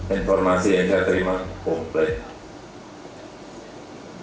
informasi yang saya terima komplek